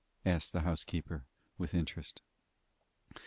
asked the housekeeper, with interest.